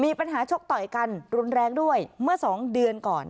มีปัญหาชกต่อยกันรุนแรงด้วยเมื่อสองเดือนก่อนนะคะ